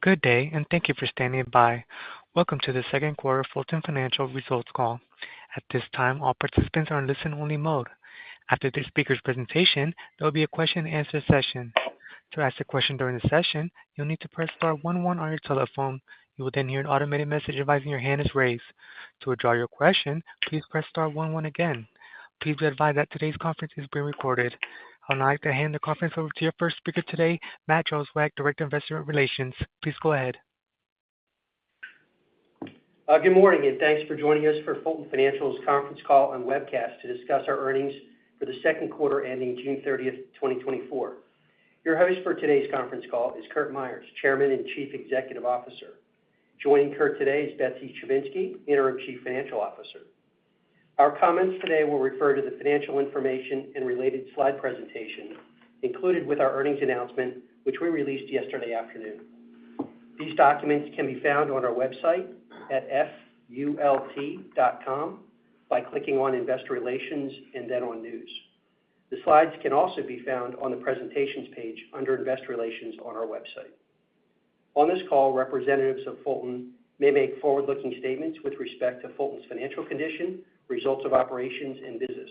Good day, and thank you for standing by. Welcome to the second quarter Fulton Financial Results Call. At this time, all participants are in listen-only mode. After the speaker's presentation, there will be a question-and-answer session. To ask a question during the session, you'll need to press star one one on your telephone. You will then hear an automated message advising your hand is raised. To withdraw your question, please press star one one again. Please be advised that today's conference is being recorded. I would like to hand the conference over to your first speaker today, Matt Jozwiak, Director of Investor Relations. Please go ahead. Good morning, and thanks for joining us for Fulton Financial's conference call and webcast to discuss our earnings for the second quarter ending June 30, 2024. Your host for today's conference call is Curt Myers, Chairman and Chief Executive Officer. Joining Curt today is Betsy Chivinski, Interim Chief Financial Officer. Our comments today will refer to the financial information and related slide presentation included with our earnings announcement, which we released yesterday afternoon. These documents can be found on our website at fult.com by clicking on Investor Relations and then on News. The slides can also be found on the Presentations page under Investor Relations on our website. On this call, representatives of Fulton may make forward-looking statements with respect to Fulton's financial condition, results of operations, and business.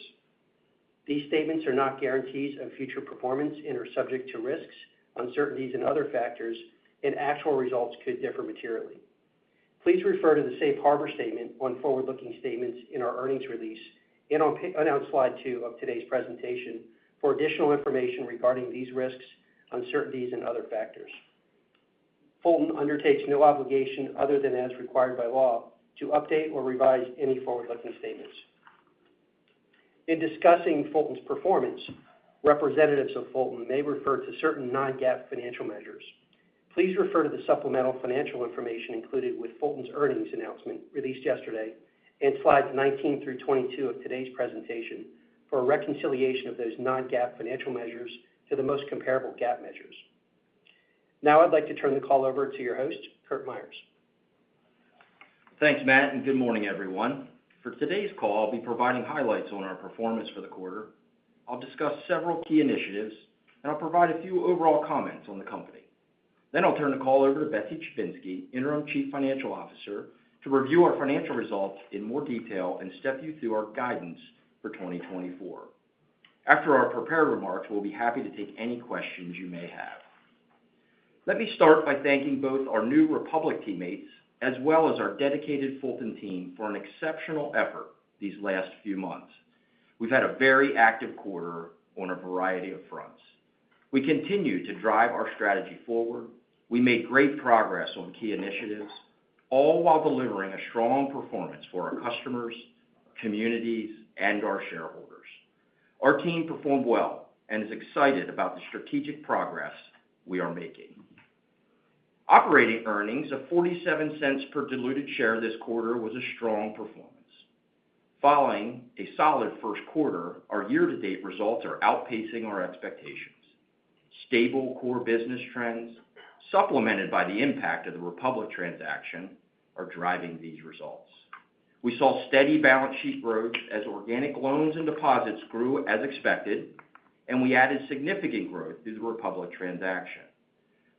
These statements are not guarantees of future performance and are subject to risks, uncertainties, and other factors, and actual results could differ materially. Please refer to the safe harbor statement on forward-looking statements in our earnings release and on Slide 2 of today's presentation for additional information regarding these risks, uncertainties, and other factors. Fulton undertakes no obligation other than as required by law to update or revise any forward-looking statements. In discussing Fulton's performance, representatives of Fulton may refer to certain non-GAAP financial measures. Please refer to the supplemental financial information included with Fulton's earnings announcement released yesterday and Slides 19 through 22 of today's presentation for a reconciliation of those non-GAAP financial measures to the most comparable GAAP measures. Now, I'd like to turn the call over to your host, Curt Myers. Thanks, Matt, and good morning, everyone. For today's call, I'll be providing highlights on our performance for the quarter. I'll discuss several key initiatives, and I'll provide a few overall comments on the company. Then I'll turn the call over to Betsy Chivinski, Interim Chief Financial Officer, to review our financial results in more detail and step you through our guidance for 2024. After our prepared remarks, we'll be happy to take any questions you may have. Let me start by thanking both our new Republic teammates as well as our dedicated Fulton team for an exceptional effort these last few months. We've had a very active quarter on a variety of fronts. We continue to drive our strategy forward. We made great progress on key initiatives, all while delivering a strong performance for our customers, communities, and our shareholders. Our team performed well and is excited about the strategic progress we are making. Operating earnings of $0.47 per diluted share this quarter was a strong performance. Following a solid first quarter, our year-to-date results are outpacing our expectations. Stable core business trends, supplemented by the impact of the Republic transaction, are driving these results. We saw steady balance sheet growth as organic loans and deposits grew as expected, and we added significant growth through the Republic transaction.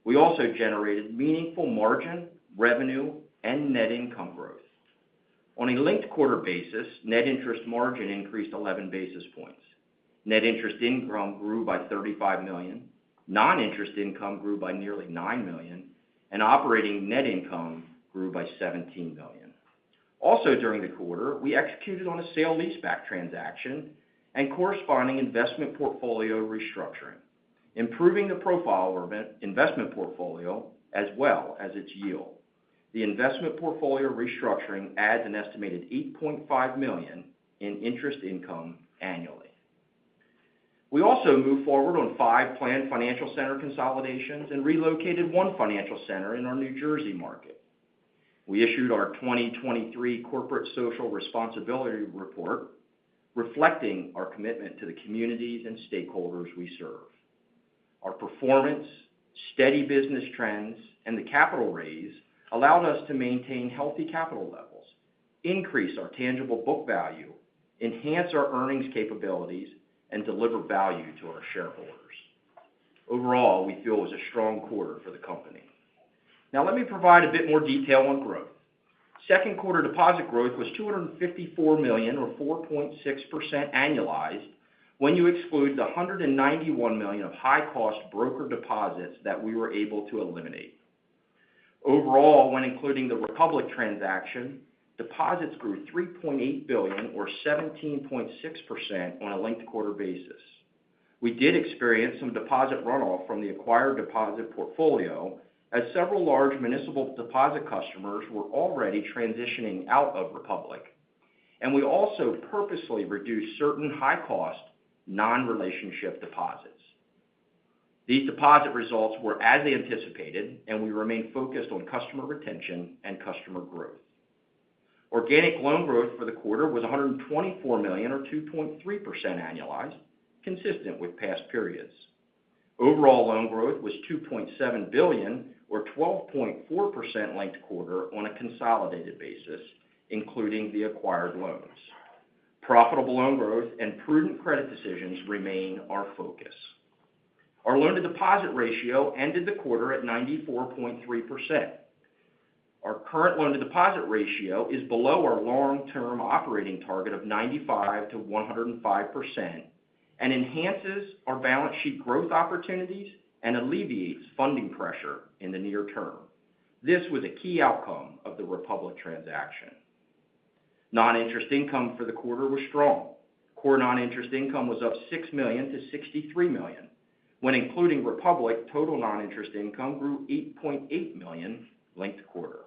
We also generated meaningful margin, revenue, and net income growth. On a linked quarter basis, net interest margin increased 11 basis points. Net interest income grew by $35 million, non-interest income grew by nearly $9 million, and operating net income grew by $17 million. Also, during the quarter, we executed on a sale-leaseback transaction and corresponding investment portfolio restructuring, improving the profile of our investment portfolio as well as its yield. The investment portfolio restructuring adds an estimated $8.5 million in interest income annually. We also moved forward on five planned financial center consolidations and relocated one financial center in our New Jersey market. We issued our 2023 corporate social responsibility report, reflecting our commitment to the communities and stakeholders we serve. Our performance, steady business trends, and the capital raise allowed us to maintain healthy capital levels, increase our tangible book value, enhance our earnings capabilities, and deliver value to our shareholders. Overall, we feel it was a strong quarter for the company. Now, let me provide a bit more detail on growth. Second quarter deposit growth was $254 million or 4.6% annualized when you exclude the $191 million of high-cost brokered deposits that we were able to eliminate. Overall, when including the Republic transaction, deposits grew $3.8 billion or 17.6% on a linked quarter basis. We did experience some deposit runoff from the acquired deposit portfolio as several large municipal deposit customers were already transitioning out of Republic, and we also purposely reduced certain high-cost, non-relationship deposits. These deposit results were as anticipated, and we remain focused on customer retention and customer growth. Organic loan growth for the quarter was $124 million or 2.3% annualized, consistent with past periods. Overall loan growth was $2.7 billion or 12.4% linked quarter on a consolidated basis, including the acquired loans.... Profitable loan growth and prudent credit decisions remain our focus. Our loan-to-deposit ratio ended the quarter at 94.3%. Our current loan-to-deposit ratio is below our long-term operating target of 95%-105%, and enhances our balance sheet growth opportunities and alleviates funding pressure in the near term. This was a key outcome of the Republic transaction. Non-interest income for the quarter was strong. Core non-interest income was up $6 million to $63 million. When including Republic, total non-interest income grew $8.8 million linked quarter.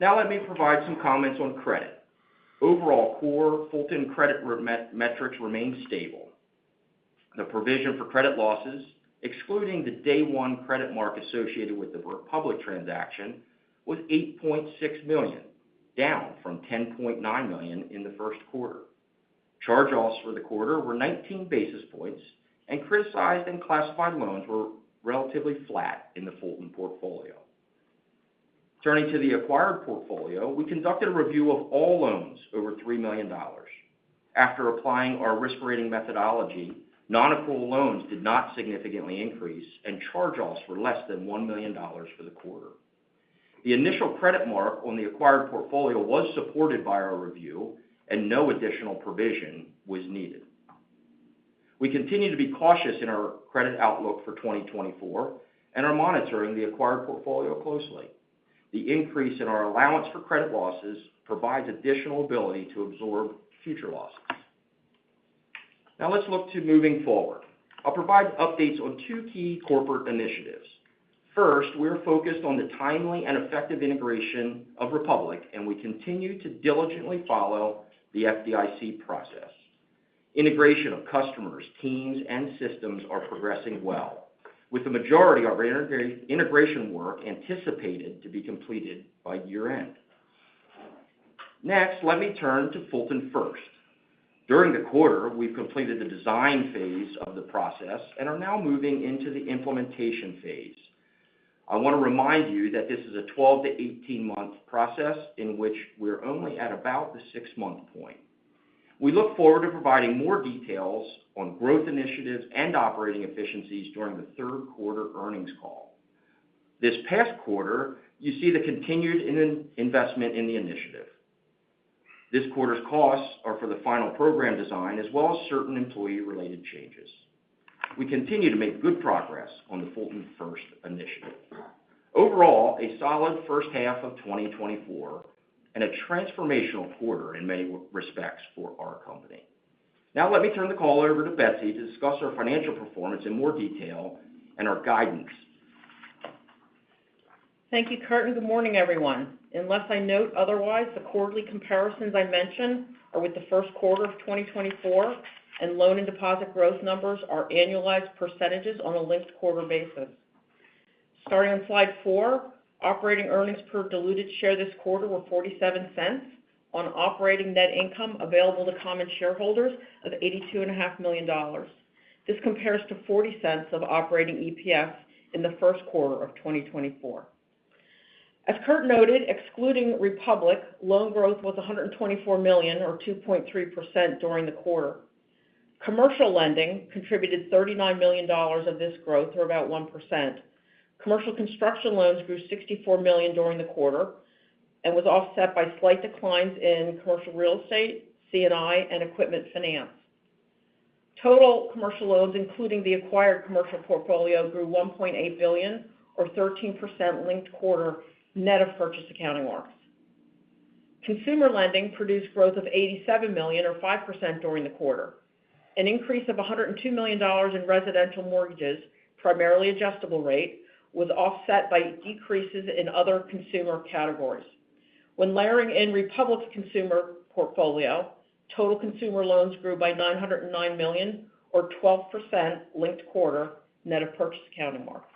Now let me provide some comments on credit. Overall, core Fulton credit metrics remain stable. The provision for credit losses, excluding the day one credit mark associated with the Republic transaction, was $8.6 million, down from $10.9 million in the first quarter. Charge-offs for the quarter were 19 basis points, and criticized and classified loans were relatively flat in the Fulton portfolio. Turning to the acquired portfolio, we conducted a review of all loans over $3 million. After applying our risk rating methodology, non-accrual loans did not significantly increase, and charge-offs were less than $1 million for the quarter. The initial credit mark on the acquired portfolio was supported by our review, and no additional provision was needed. We continue to be cautious in our credit outlook for 2024, and are monitoring the acquired portfolio closely. The increase in our allowance for credit losses provides additional ability to absorb future losses. Now let's look to moving forward. I'll provide updates on two key corporate initiatives. First, we're focused on the timely and effective integration of Republic, and we continue to diligently follow the FDIC process. Integration of customers, teams, and systems are progressing well, with the majority of integration work anticipated to be completed by year-end. Next, let me turn to Fulton First. During the quarter, we've completed the design phase of the process and are now moving into the implementation phase. I want to remind you that this is a 12-18-month process in which we're only at about the 6-month point. We look forward to providing more details on growth initiatives and operating efficiencies during the third quarter earnings call. This past quarter, you see the continued investment in the initiative. This quarter's costs are for the final program design, as well as certain employee-related changes. We continue to make good progress on the Fulton First initiative. Overall, a solid first half of 2024 and a transformational quarter in many respects for our company. Now, let me turn the call over to Betsy to discuss our financial performance in more detail and our guidance. Thank you, Curt, and good morning, everyone. Unless I note otherwise, the quarterly comparisons I mention are with the first quarter of 2024, and loan and deposit growth numbers are annualized percentages on a linked quarter basis. Starting on slide 4, operating earnings per diluted share this quarter were $0.47 on operating net income available to common shareholders of $82.5 million. This compares to $0.40 of operating EPS in the first quarter of 2024. As Curt noted, excluding Republic, loan growth was $124 million, or 2.3%, during the quarter. Commercial lending contributed $39 million of this growth, or about 1%. Commercial construction loans grew $64 million during the quarter and was offset by slight declines in commercial real estate, C&I, and equipment finance. Total commercial loans, including the acquired commercial portfolio, grew $1.8 billion, or 13% linked quarter, net of purchase accounting marks. Consumer lending produced growth of $87 million, or 5%, during the quarter. An increase of $102 million in residential mortgages, primarily adjustable rate, was offset by decreases in other consumer categories. When layering in Republic's consumer portfolio, total consumer loans grew by $909 million, or 12% linked quarter, net of purchase accounting marks.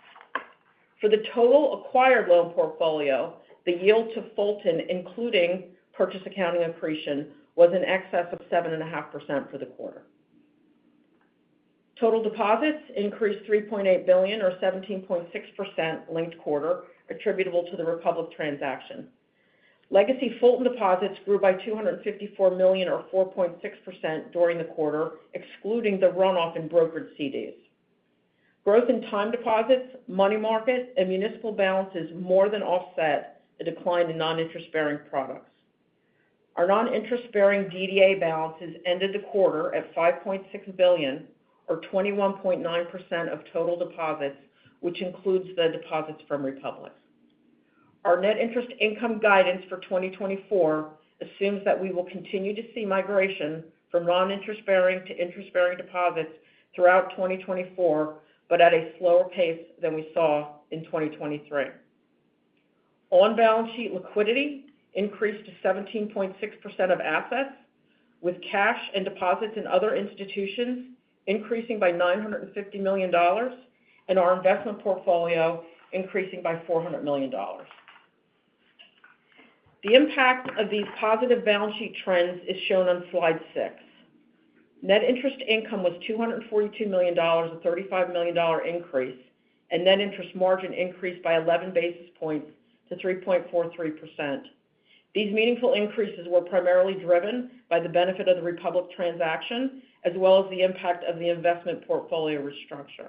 For the total acquired loan portfolio, the yield to Fulton, including purchase accounting accretion, was in excess of 7.5% for the quarter. Total deposits increased $3.8 billion, or 17.6% linked quarter, attributable to the Republic transaction. Legacy Fulton deposits grew by $254 million, or 4.6%, during the quarter, excluding the runoff in brokered CDs. Growth in time deposits, money market, and municipal balances more than offset the decline in non-interest-bearing products. Our non-interest-bearing DDA balances ended the quarter at $5.6 billion, or 21.9% of total deposits, which includes the deposits from Republic. Our net interest income guidance for 2024 assumes that we will continue to see migration from non-interest-bearing to interest-bearing deposits throughout 2024, but at a slower pace than we saw in 2023. On-balance sheet liquidity increased to 17.6% of assets, with cash and deposits in other institutions increasing by $950 million, and our investment portfolio increasing by $400 million. The impact of these positive balance sheet trends is shown on slide 6. Net interest income was $242 million, a $35 million increase, and net interest margin increased by 11 basis points to 3.43%. These meaningful increases were primarily driven by the benefit of the Republic transaction, as well as the impact of the investment portfolio restructure.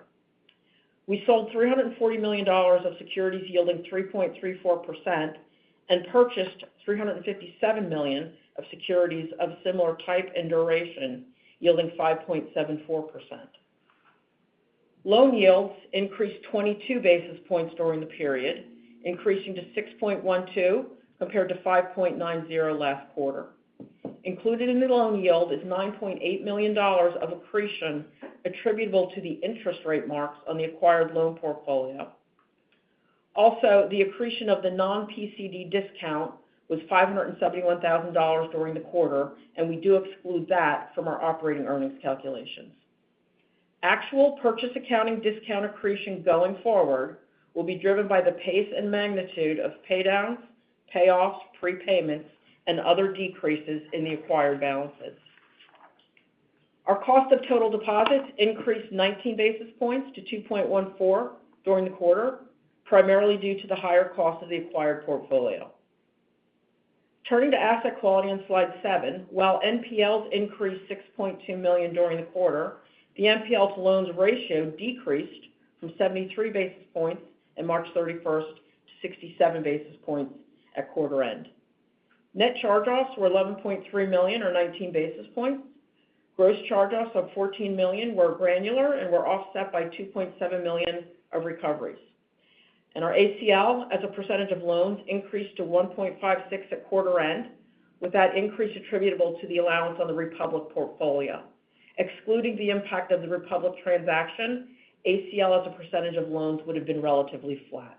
We sold $340 million of securities yielding 3.34% and purchased $357 million of securities of similar type and duration, yielding 5.74%. Loan yields increased 22 basis points during the period, increasing to 6.12, compared to 5.90 last quarter. Included in the loan yield is $9.8 million of accretion attributable to the interest rate marks on the acquired loan portfolio. Also, the accretion of the non-PCD discount was $571,000 during the quarter, and we do exclude that from our operating earnings calculations. Actual purchase accounting discount accretion going forward will be driven by the pace and magnitude of paydowns, payoffs, prepayments, and other decreases in the acquired balances. Our cost of total deposits increased 19 basis points to 2.14 during the quarter, primarily due to the higher cost of the acquired portfolio. Turning to asset quality on slide seven, while NPLs increased $6.2 million during the quarter, the NPL to loans ratio decreased from 73 basis points in March 31 to 67 basis points at quarter end. Net charge-offs were $11.3 million or 19 basis points. Gross charge-offs of $14 million were granular and were offset by $2.7 million of recoveries. Our ACL, as a percentage of loans, increased to 1.56% at quarter end, with that increase attributable to the allowance on the Republic portfolio. Excluding the impact of the Republic transaction, ACL as a percentage of loans would have been relatively flat.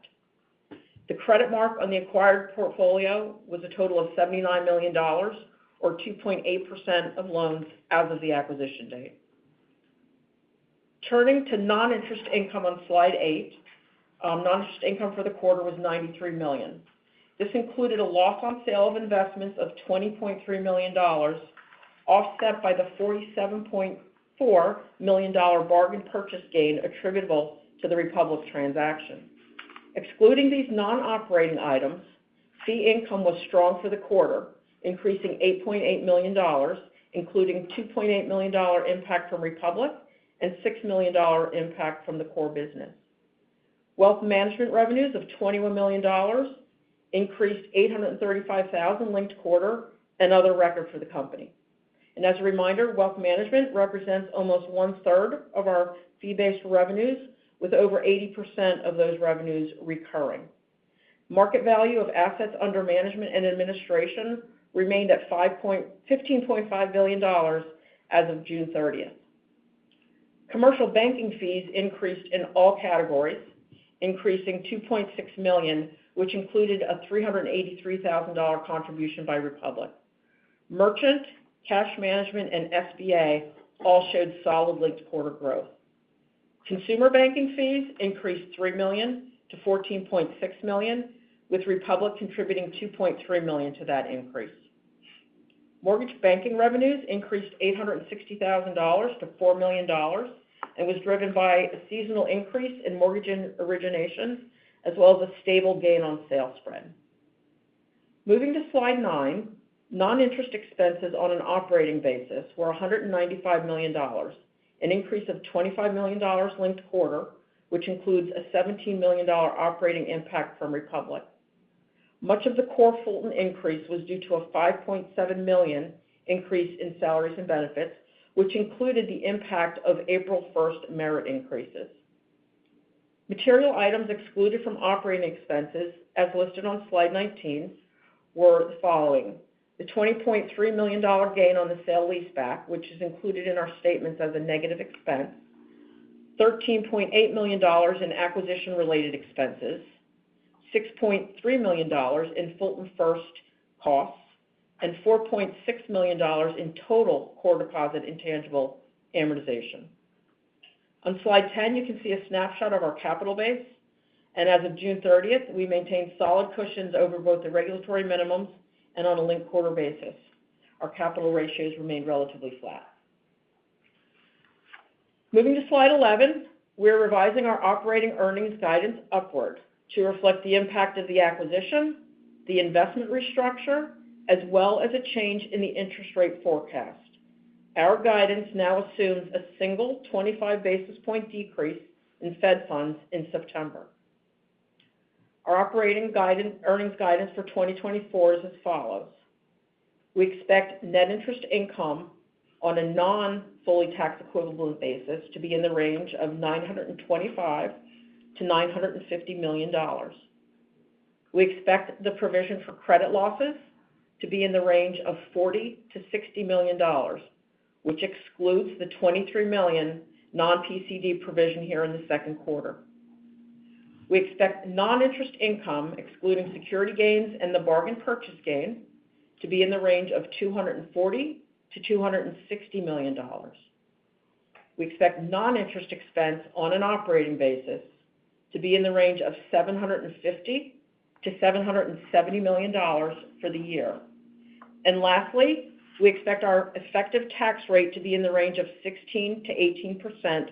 The credit mark on the acquired portfolio was a total of $79 million, or 2.8% of loans as of the acquisition date. Turning to non-interest income on Slide 8, non-interest income for the quarter was $93 million. This included a loss on sale of investments of $20.3 million, offset by the $47.4 million bargain purchase gain attributable to the Republic transaction. Excluding these non-operating items, fee income was strong for the quarter, increasing $8.8 million, including $2.8 million impact from Republic and $6 million impact from the core business. Wealth management revenues of $21 million increased $835,000 linked-quarter, another record for the company. As a reminder, wealth management represents almost one-third of our fee-based revenues, with over 80% of those revenues recurring. Market value of assets under management and administration remained at $15.5 billion as of June 30. Commercial banking fees increased in all categories, increasing $2.6 million, which included a $383,000 contribution by Republic. Merchant, cash management, and SBA all showed solid linked-quarter growth. Consumer banking fees increased $3 million-$14.6 million, with Republic contributing $2.3 million to that increase. Mortgage banking revenues increased $860,000 to $4 million and was driven by a seasonal increase in mortgage and origination, as well as a stable gain on sale spread. Moving to Slide 9, non-interest expenses on an operating basis were $195 million, an increase of $25 million linked quarter, which includes a $17 million operating impact from Republic. Much of the core Fulton increase was due to a $5.7 million increase in salaries and benefits, which included the impact of April 1 merit increases. Material items excluded from operating expenses, as listed on Slide 19, were the following: The $20.3 million gain on the sale-leaseback, which is included in our statements as a negative expense, $13.8 million in acquisition-related expenses, $6.3 million in Fulton First costs, and $4.6 million in total core deposit intangible amortization. On Slide 10, you can see a snapshot of our capital base, and as of June 30, we maintained solid cushions over both the regulatory minimums and on a linked quarter basis. Our capital ratios remained relatively flat. Moving to Slide 11, we're revising our operating earnings guidance upward to reflect the impact of the acquisition, the investment restructure, as well as a change in the interest rate forecast. Our guidance now assumes a single 25 basis point decrease in Fed funds in September. Our operating guidance, earnings guidance for 2024 is as follows: We expect net interest income on a non-fully tax equivalent basis to be in the range of $925 million-$950 million. We expect the provision for credit losses to be in the range of $40 million-$60 million, which excludes the $23 million non-PCD provision here in the second quarter. We expect non-interest income, excluding security gains and the bargain purchase gain, to be in the range of $240 million-$260 million.... We expect non-interest expense on an operating basis to be in the range of $750 million-$770 million for the year. And lastly, we expect our effective tax rate to be in the range of 16%-18%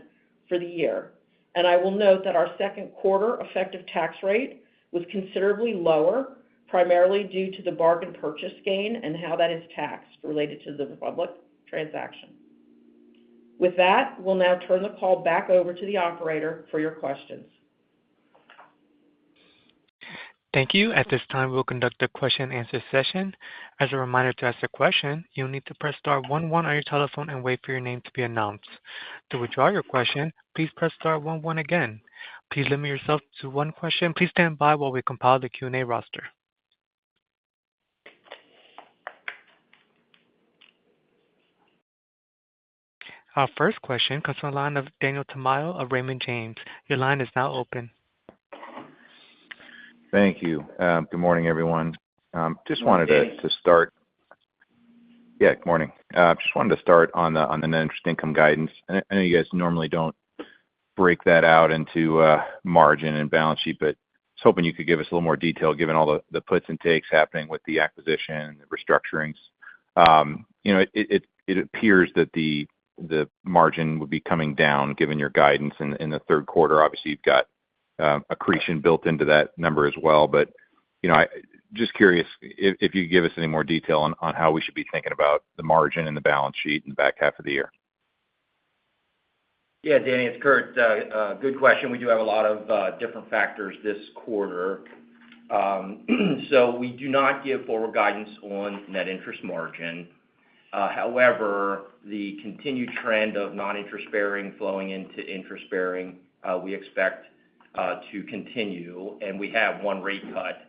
for the year. I will note that our second quarter effective tax rate was considerably lower, primarily due to the bargain purchase gain and how that is taxed related to the Republic transaction. With that, we'll now turn the call back over to the operator for your questions. Thank you. At this time, we'll conduct a question-and-answer session. As a reminder, to ask a question, you'll need to press star one one on your telephone and wait for your name to be announced. To withdraw your question, please press star one one again. Please limit yourself to one question. Please stand by while we compile the Q&A roster. Our first question comes from the line of Daniel Tamayo of Raymond James. Your line is now open. Thank you. Good morning, everyone. Just wanted to start- Good morning. Yeah, good morning. Just wanted to start on the net interest income guidance. I know you guys normally don't break that out into margin and balance sheet, but I was hoping you could give us a little more detail, given all the puts and takes happening with the acquisition and the restructurings. You know, it appears that the margin would be coming down, given your guidance in the third quarter. Obviously, you've got accretion built into that number as well. But, you know, just curious if you could give us any more detail on how we should be thinking about the margin and the balance sheet in the back half of the year. Yeah, Danny, it's Curt. Good question. We do have a lot of different factors this quarter. So we do not give forward guidance on net interest margin. However, the continued trend of non-interest bearing flowing into interest bearing we expect to continue, and we have one rate cut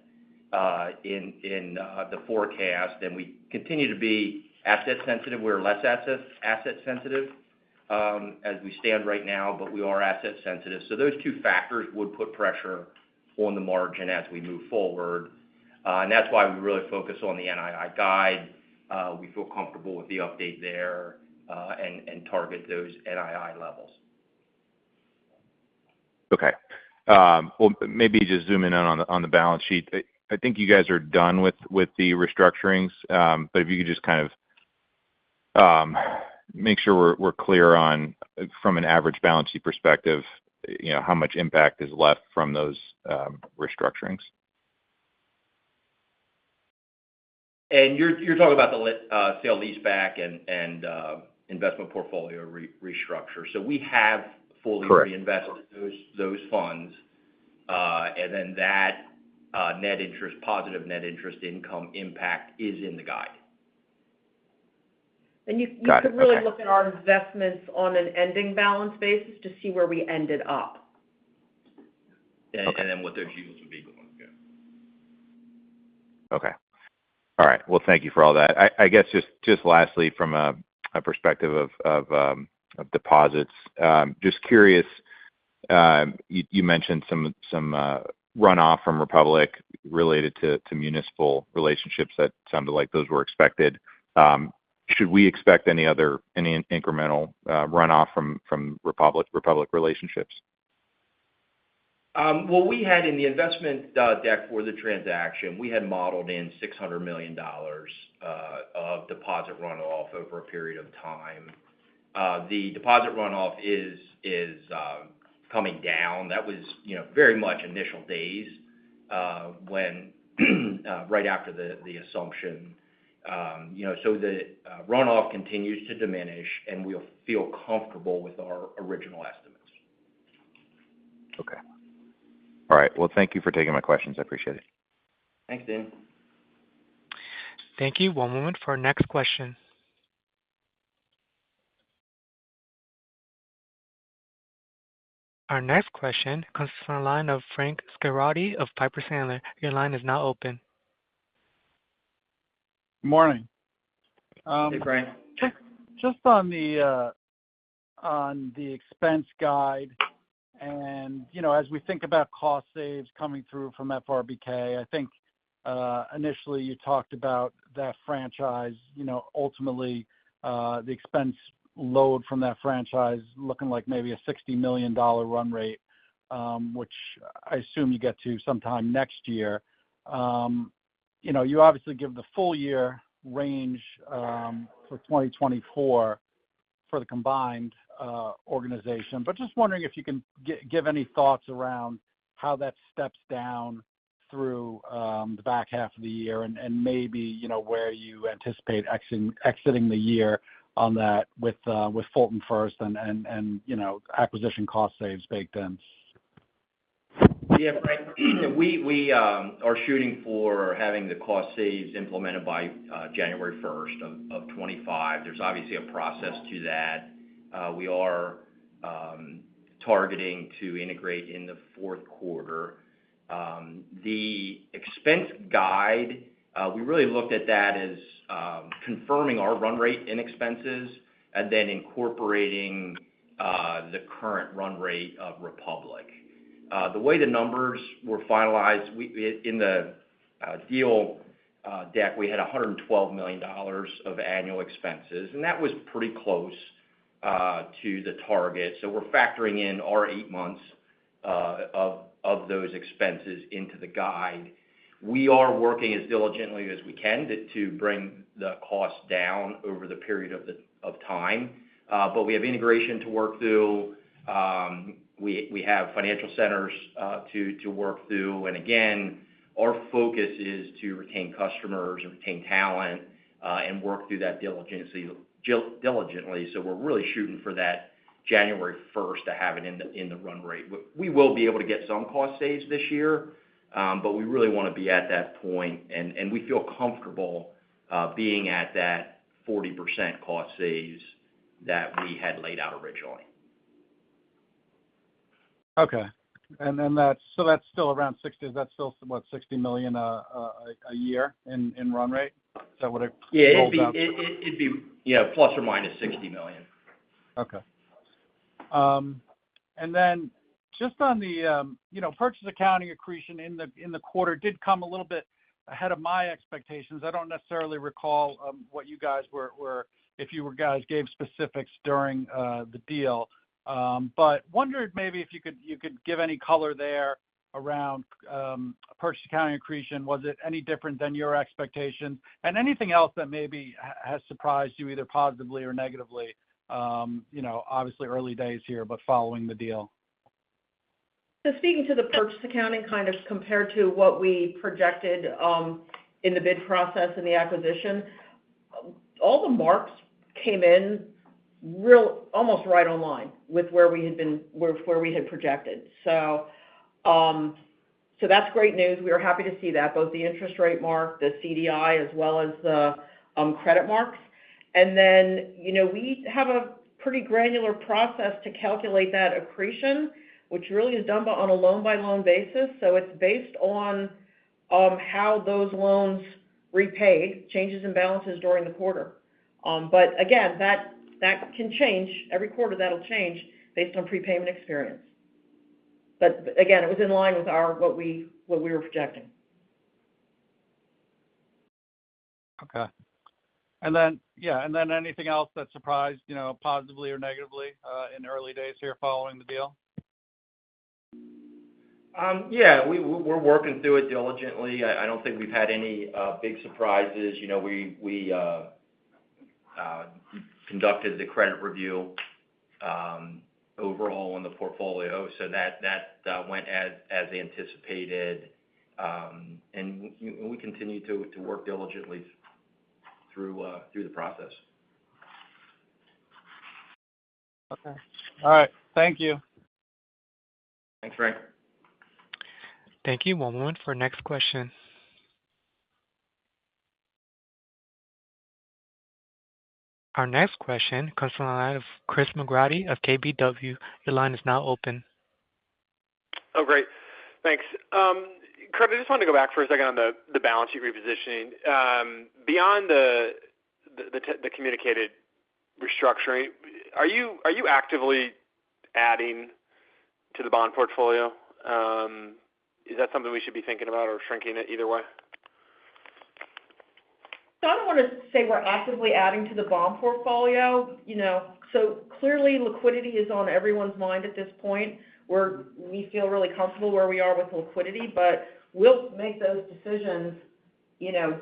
in the forecast. And we continue to be asset sensitive. We're less asset sensitive as we stand right now, but we are asset sensitive. So those two factors would put pressure on the margin as we move forward. And that's why we really focus on the NII guide. We feel comfortable with the update there, and target those NII levels. Okay. Well, maybe just zoom in on the balance sheet. I think you guys are done with the restructurings, but if you could just kind of make sure we're clear on from an average balance sheet perspective, you know, how much impact is left from those restructurings? And you're talking about the sale leaseback and the investment portfolio restructure. So we have fully- Correct... reinvested those, those funds, and then that, net interest, positive net interest income impact is in the guide. And you- Got it. Okay... you could really look at our investments on an ending balance basis to see where we ended up. Okay. and then what their futures would be going forward. Okay. All right. Well, thank you for all that. I guess just lastly, from a perspective of deposits. Just curious, you mentioned some runoff from Republic related to municipal relationships. That sounded like those were expected. Should we expect any other any incremental runoff from Republic relationships? What we had in the investment deck for the transaction, we had modeled in $600 million of deposit runoff over a period of time. The deposit runoff is coming down. That was, you know, very much initial days, when right after the assumption. You know, so the runoff continues to diminish, and we'll feel comfortable with our original estimates. Okay. All right. Well, thank you for taking my questions. I appreciate it. Thanks, Dan. Thank you. One moment for our next question. Our next question comes from the line of Frank Schiraldi of Piper Sandler. Your line is now open. Morning, um- Hey, Frank. Just on the expense guide, and, you know, as we think about cost saves coming through from FRBK, I think, initially you talked about that franchise, you know, ultimately, the expense load from that franchise looking like maybe a $60 million run rate, which I assume you get to sometime next year. You know, you obviously give the full year range for 2024 for the combined organization. But just wondering if you can give any thoughts around how that steps down through the back half of the year and, and, maybe, you know, where you anticipate exiting the year on that with Fulton First and, and, and, you know, acquisition cost saves baked in? Yeah, Frank, we are shooting for having the cost saves implemented by January 1, 2025. There's obviously a process to that. We are targeting to integrate in the fourth quarter. The expense guide, we really looked at that as confirming our run rate in expenses and then incorporating the current run rate of Republic. The way the numbers were finalized, in the deal deck, we had $112 million of annual expenses, and that was pretty close to the target. So we're factoring in our 8 months of those expenses into the guide. We are working as diligently as we can to bring the cost down over the period of the time. But we have integration to work through. We have financial centers to work through. And again, our focus is to retain customers and retain talent and work through that diligently. So we're really shooting for that January first to have it in the run rate. We will be able to get some cost saves this year, but we really want to be at that point, and we feel comfortable being at that 40% cost saves that we had laid out originally. Okay. And then that's—so that's still around 60. Is that still, what, $60 million a year in run rate? Is that what it rolls out to? Yeah, it'd be, yeah, ±$60 million. Okay. And then just on the, you know, purchase accounting accretion in the, in the quarter, did come a little bit ahead of my expectations. I don't necessarily recall what you guys were if you guys gave specifics during the deal. But wondered maybe if you could give any color there around purchase accounting accretion. Was it any different than your expectation? And anything else that maybe has surprised you, either positively or negatively, you know, obviously early days here, but following the deal. So speaking to the purchase accounting, kind of compared to what we projected, in the bid process and the acquisition, all the marks came in almost right on line with where we had been, with where we had projected. So that's great news. We are happy to see that, both the interest rate mark, the CDI, as well as the credit marks. And then, you know, we have a pretty granular process to calculate that accretion, which really is done by on a loan-by-loan basis. So it's based on how those loans repay, changes in balances during the quarter. But again, that can change. Every quarter, that'll change based on prepayment experience. But again, it was in line with our what we were projecting. Okay. And then, yeah, and then anything else that surprised, you know, positively or negatively, in the early days here following the deal? Yeah, we're working through it diligently. I don't think we've had any big surprises. You know, we conducted the credit review overall on the portfolio, so that went as anticipated. And we continue to work diligently through the process. Okay. All right. Thank you. Thanks, Frank. Thank you. One moment for next question. Our next question comes from the line of Chris McGratty of KBW. Your line is now open. Oh, great. Thanks. Curt, I just wanted to go back for a second on the balance sheet repositioning. Beyond the communicated restructuring, are you actively adding to the bond portfolio? Is that something we should be thinking about or shrinking it either way? So I don't want to say we're actively adding to the bond portfolio, you know. So clearly, liquidity is on everyone's mind at this point, where we feel really comfortable where we are with liquidity, but we'll make those decisions, you know,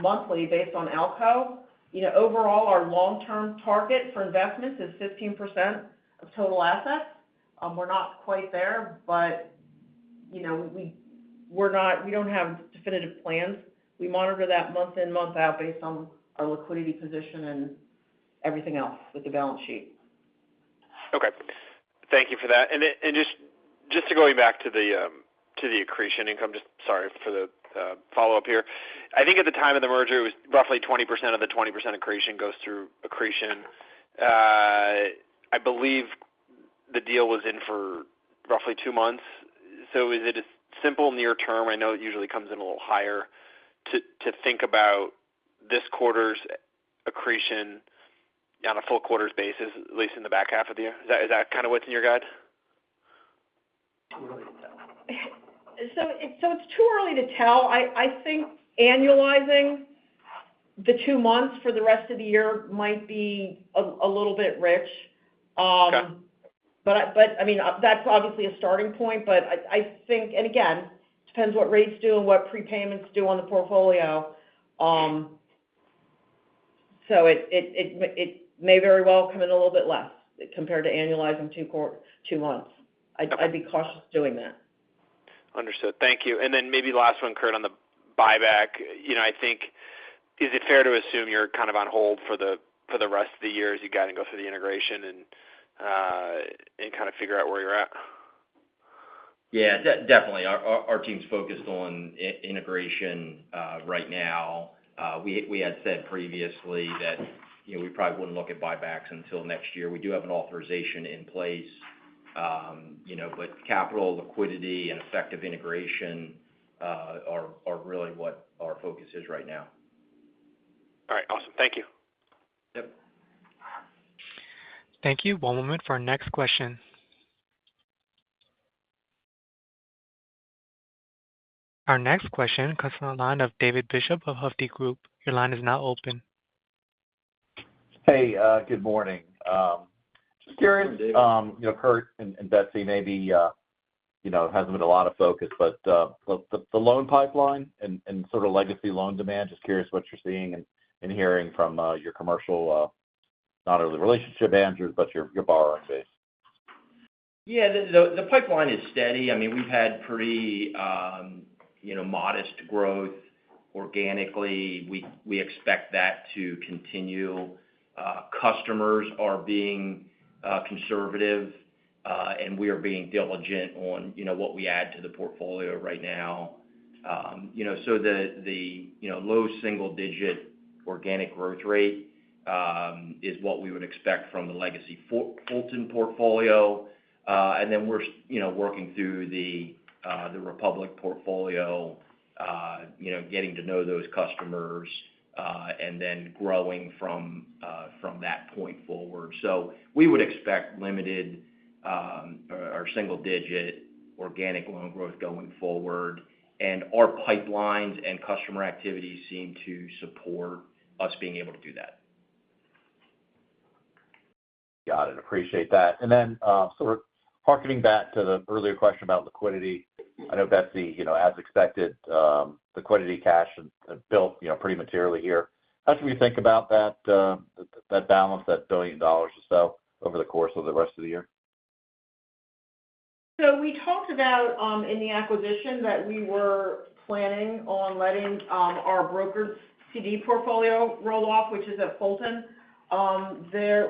monthly based on ALCO. You know, overall, our long-term target for investments is 15% of total assets. We're not quite there, but, you know, we, we're not-- we don't have definitive plans. We monitor that month in, month out, based on our liquidity position and everything else with the balance sheet. Okay. Thank you for that. And then, just going back to the accretion income, just sorry for the follow-up here. I think at the time of the merger, it was roughly 20% of the 20% accretion goes through accretion. I believe the deal was in for roughly 2 months. So is it a simple near term? I know it usually comes in a little higher, to think about this quarter's accretion on a full quarters basis, at least in the back half of the year. Is that kind of what's in your guide? So it's too early to tell. I think annualizing the two months for the rest of the year might be a little bit rich. Okay. But I mean, that's obviously a starting point, but I think. And again, it depends what rates do and what prepayments do on the portfolio. So it may very well come in a little bit less compared to annualizing two months. Okay. I'd be cautious doing that. Understood. Thank you. And then maybe last one, Curt, on the buyback. You know, I think, is it fair to assume you're kind of on hold for the, for the rest of the year, as you got to go through the integration and, and kind of figure out where you're at? Yeah, definitely. Our team's focused on integration right now. We had said previously that, you know, we probably wouldn't look at buybacks until next year. We do have an authorization in place, you know, but capital, liquidity, and effective integration are really what our focus is right now.... All right, awesome. Thank you. Yep. Thank you. One moment for our next question. Our next question comes from the line of David Bishop of Hovde Group. Your line is now open. Hey, good morning. Just curious- Good morning, David. You know, Curt and Betsy, maybe you know, it hasn't been a lot of focus, but the loan pipeline and sort of legacy loan demand, just curious what you're seeing and hearing from your commercial, not only relationship managers, but your borrowing base. Yeah, the pipeline is steady. I mean, we've had pretty, you know, modest growth organically. We expect that to continue. Customers are being conservative, and we are being diligent on, you know, what we add to the portfolio right now. You know, so the, you know, low single digit organic growth rate is what we would expect from the legacy Fulton portfolio. And then we're, you know, working through the Republic portfolio, you know, getting to know those customers, and then growing from that point forward. So we would expect limited, or single digit organic loan growth going forward, and our pipelines and customer activities seem to support us being able to do that. Got it. Appreciate that. And then, so we're hearkening back to the earlier question about liquidity. I know, Betsy, you know, as expected, liquidity cash has built, you know, pretty materially here. How should we think about that balance, $1 billion or so over the course of the rest of the year? So we talked about in the acquisition that we were planning on letting our brokered CD portfolio roll off, which is at Fulton.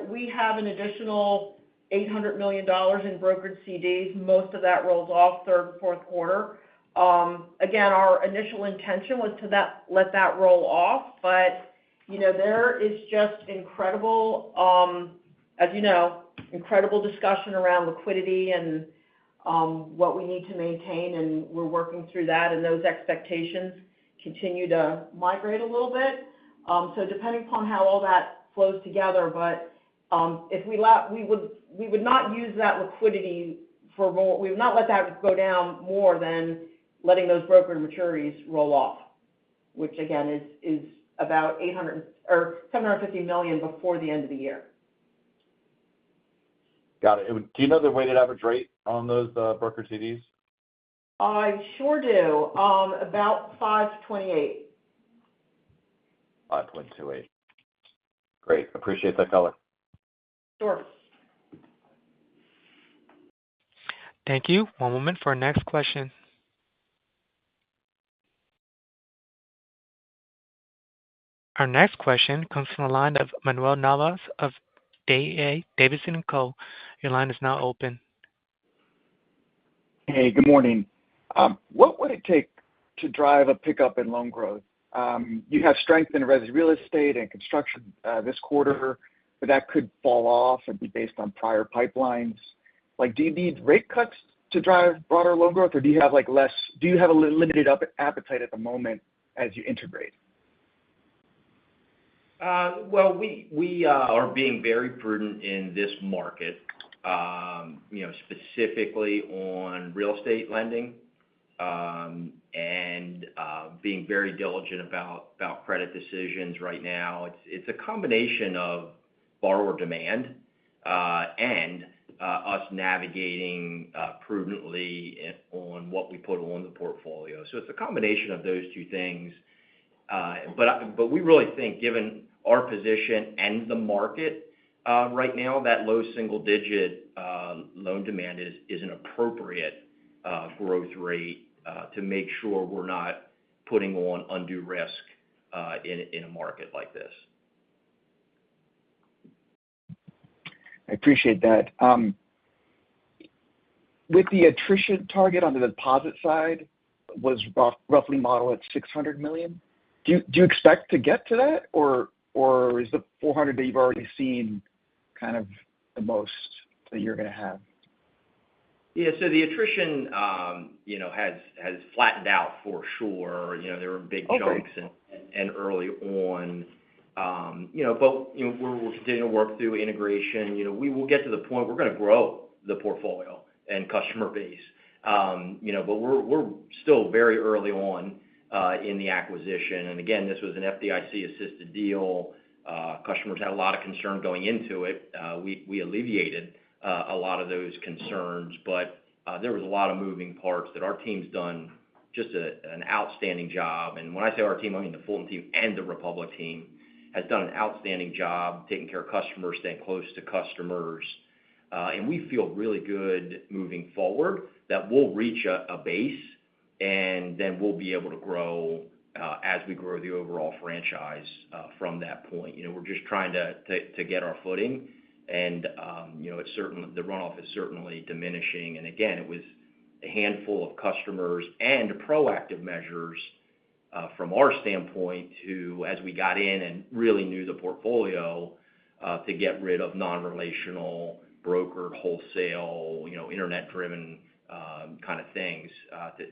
We have an additional $800 million in brokered CDs. Most of that rolls off third and fourth quarter. Again, our initial intention was to let that roll off, but, you know, there is just incredible, as you know, incredible discussion around liquidity and what we need to maintain, and we're working through that, and those expectations continue to migrate a little bit. So depending upon how all that flows together, but if we would not use that liquidity, we would not let that go down more than letting those broker maturities roll off, which again is about $800 million or $750 million before the end of the year. Got it. Do you know the weighted average rate on those, broker CDs? I sure do. About 5.28. 5.28. Great. Appreciate that color. Sure. Thank you. One moment for our next question. Our next question comes from the line of Manuel Navas of D.A. Davidson & Co. Your line is now open. Hey, good morning. What would it take to drive a pickup in loan growth? You have strength in real estate and construction this quarter, but that could fall off and be based on prior pipelines. Like, do you need rate cuts to drive broader loan growth, or do you have, like, limited appetite at the moment as you integrate? Well, we are being very prudent in this market, you know, specifically on real estate lending, and being very diligent about credit decisions right now. It's a combination of borrower demand and us navigating prudently on what we put on the portfolio. So it's a combination of those two things. But we really think, given our position and the market right now, that low single digit loan demand is an appropriate growth rate to make sure we're not putting on undue risk in a market like this. I appreciate that. With the attrition target on the deposit side, was roughly modeled at $600 million. Do you expect to get to that, or is the $400 million that you've already seen kind of the most that you're gonna have? Yeah, so the attrition, you know, has flattened out for sure. You know, there were big jumps- Okay. and early on. You know, but, you know, we'll, we'll continue to work through integration. You know, we will get to the point. We're gonna grow the portfolio and customer base. You know, but we're, we're still very early on, in the acquisition. And again, this was an FDIC-assisted deal. Customers had a lot of concern going into it. We, we alleviated, a lot of those concerns, but, there was a lot of moving parts that our team's done just an outstanding job. And when I say our team, I mean, the Fulton team and the Republic team, has done an outstanding job taking care of customers, staying close to customers. And we feel really good moving forward, that we'll reach a base, and then we'll be able to grow, as we grow the overall franchise, from that point. You know, we're just trying to get our footing and, you know, the runoff is certainly diminishing. And again, it was a handful of customers and proactive measures, from our standpoint, to as we got in and really knew the portfolio, to get rid of non-relational broker wholesale, you know, internet-driven, kind of things,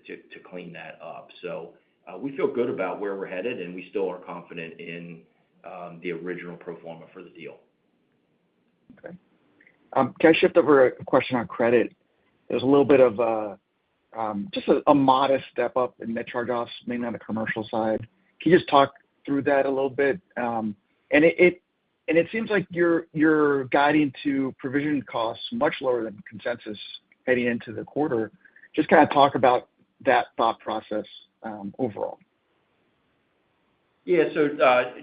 to clean that up. So, we feel good about where we're headed, and we still are confident in, the original pro forma for the deal. Okay. Can I shift over a question on credit? There's a little bit of a just a modest step up in net charge-offs, mainly on the commercial side. Can you just talk through that a little bit? And it seems like you're guiding to provision costs much lower than consensus heading into the quarter. Just kind of talk about that thought process, overall. Yeah, so,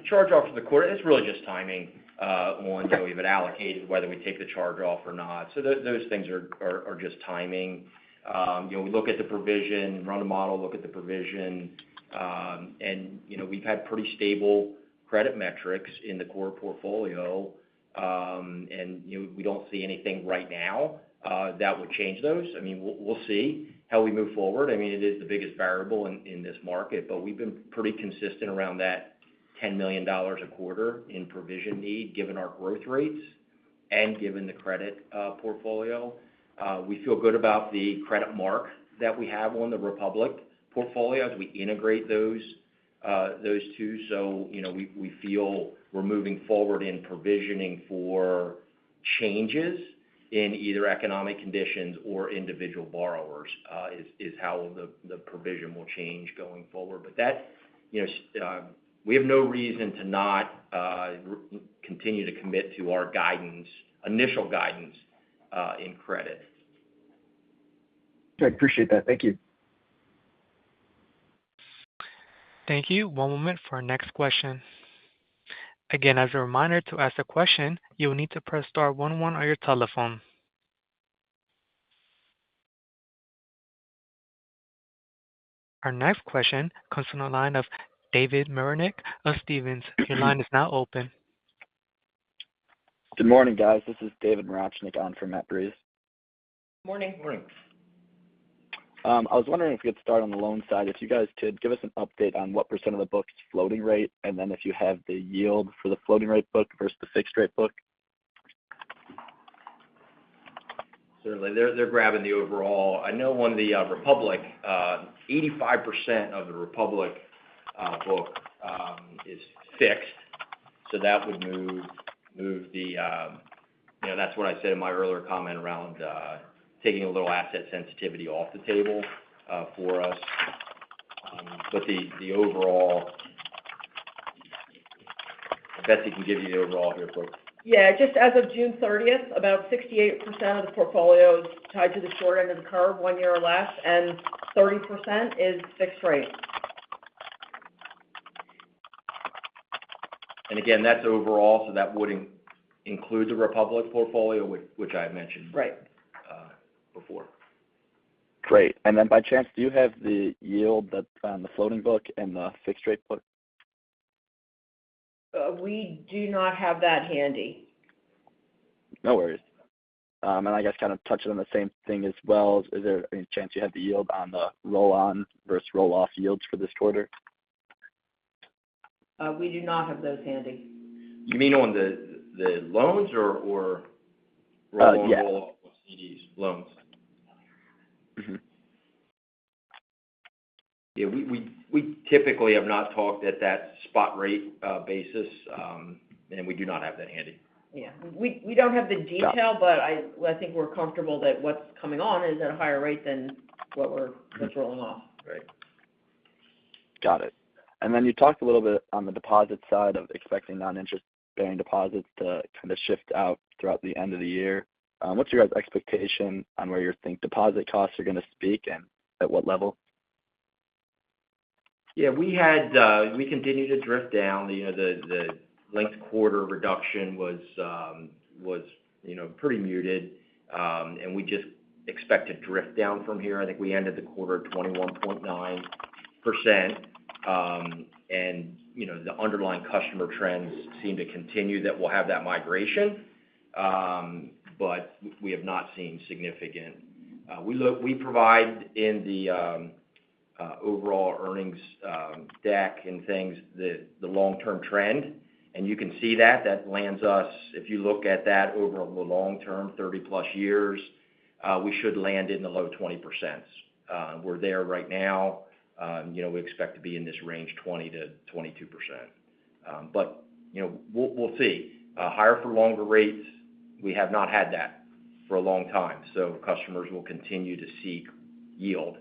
charge-off for the quarter, it's really just timing, on that. We've been allocated, whether we take the charge-off or not. So those things are just timing. You know, we look at the provision, run the model, look at the provision, and, you know, we've had pretty stable credit metrics in the core portfolio. And, you know, we don't see anything right now, that would change those. I mean, we'll see how we move forward. I mean, it is the biggest variable in this market, but we've been pretty consistent around that $10 million a quarter in provision need, given our growth rates and given the credit portfolio. We feel good about the credit mark that we have on the Republic portfolio as we integrate those two. So, you know, we feel we're moving forward in provisioning for changes in either economic conditions or individual borrowers is how the provision will change going forward. But that, you know, we have no reason to not continue to commit to our guidance, initial guidance, in credit. I appreciate that. Thank you. Thank you. One moment for our next question. Again, as a reminder, to ask a question, you will need to press star one one on your telephone. Our next question comes from the line of David Mirochnick of Stephens. Your line is now open. Good morning, guys. This is David Mirochnick on for Matt Breese. Morning. Morning. I was wondering if you could start on the loan side. If you guys could give us an update on what percent of the book is floating rate, and then if you have the yield for the floating rate book versus the fixed rate book. Certainly. They're grabbing the overall. I know on the Republic, 85% of the Republic book is fixed, so that would move the, you know, that's what I said in my earlier comment around taking a little asset sensitivity off the table for us. But the overall—Betsy can give you the overall here quick. Yeah, just as of June 30, about 68% of the portfolio is tied to the short end of the curve, one year or less, and 30% is fixed rate. And again, that's overall, so that wouldn't include the Republic portfolio, which I had mentioned- Right. before. Great. And then by chance, do you have the yield that's on the floating book and the fixed rate book? We do not have that handy. No worries. And I guess kind of touching on the same thing as well, is there any chance you have the yield on the roll-on versus roll-off yields for this quarter? We do not have those handy. You mean on the loans or... Uh, yeah. Roll-on, roll-off CDs, loans. Mm-hmm. Yeah, we typically have not talked at that spot rate basis, and we do not have that handy. Yeah. We don't have the detail- Got it. but I, I think we're comfortable that what's coming on is at a higher rate than what we're- Mm-hmm. What's rolling off. Right. Got it. And then you talked a little bit on the deposit side of expecting non-interest bearing deposits to kind of shift out throughout the end of the year. What's your guys' expectation on where you think deposit costs are going to peak and at what level? Yeah, we had, we continued to drift down. You know, the last quarter reduction was, you know, pretty muted. And we just expect to drift down from here. I think we ended the quarter at 21.9%. And, you know, the underlying customer trends seem to continue, that we'll have that migration. But we have not seen significant... We provide in the overall earnings deck and things that the long-term trend, and you can see that, that lands us. If you look at that over the long term, 30+ years, we should land in the low 20 percents. We're there right now. You know, we expect to be in this range, 20%-22%. But, you know, we'll see. Higher for longer rates, we have not had that for a long time, so customers will continue to seek yield,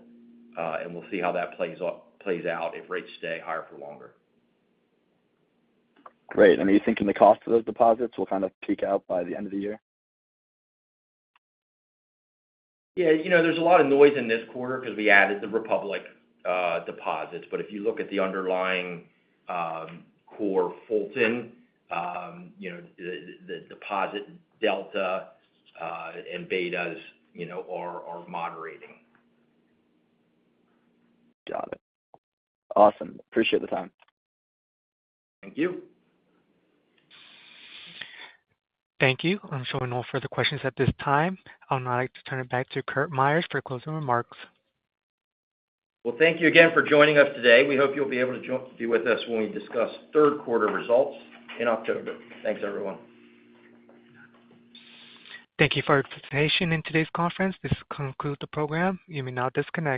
and we'll see how that plays out, plays out if rates stay higher for longer. Great. Are you thinking the cost of those deposits will kind of peak out by the end of the year? Yeah, you know, there's a lot of noise in this quarter because we added the Republic deposits. But if you look at the underlying core Fulton, you know, the deposit delta and betas, you know, are moderating. Got it. Awesome. Appreciate the time. Thank you. Thank you. I'm showing no further questions at this time. I'd now like to turn it back to Curt Myers for closing remarks. Well, thank you again for joining us today. We hope you'll be able to be with us when we discuss third quarter results in October. Thanks, everyone. Thank you for your participation in today's conference. This concludes the program. You may now disconnect.